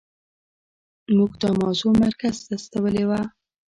موږ دا موضوع مرکز ته استولې وه.